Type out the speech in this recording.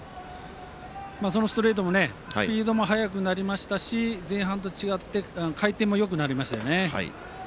そのストレートもスピードも速くなりましたし前半と違って回転もよくなりましたね。